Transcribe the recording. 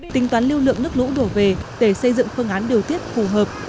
tính toán lưu lượng nước lũ đổ về để xây dựng phương án điều tiết phù hợp